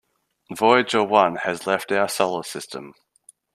Voyager One has left our solar system.